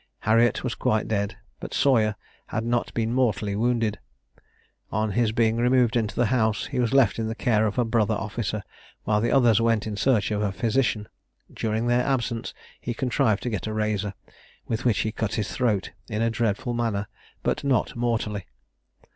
Harriet was quite dead, but Sawyer had not been mortally wounded. On his being removed into the house, he was left in the care of a brother officer, while the others went in search of a physician; and during their absence he contrived to get a razor, with which he cut his throat in a dreadful manner, but not mortally.